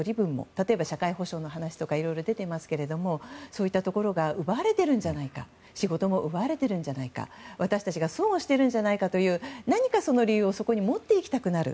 例えば、社会保障の話とかいろいろ出ていますがそういったところが奪われてるんじゃないか仕事も奪われてるんじゃないか私たちが損をしているんじゃないかという理由をそこに持っていきたくなる。